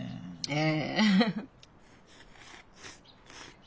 ええ。